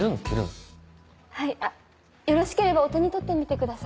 はいあっよろしければお手に取ってみてください。